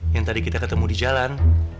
yang tadi kita ketemu di jalan